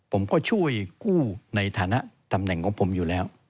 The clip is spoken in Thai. ผมก็ช่วยกู้ในฐานะตำแหน่งของผมอยู่แล้ว